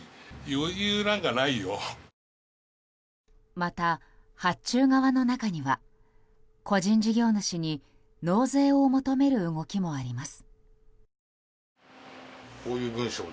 また発注側の中には個人事業主に納税を求める動きもあります。